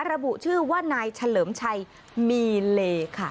ระบุชื่อว่านายเฉลิมชัยมีเลค่ะ